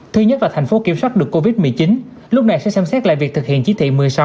thứ nhất là thành phố kiểm soát được covid một mươi chín lúc này sẽ xem xét lại việc thực hiện chỉ thị một mươi sáu